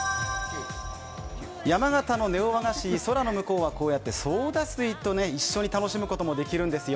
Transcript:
山形のネオ和菓子、空ノムコウはこうやってソーダ水と一緒に楽しむことができるんですよ。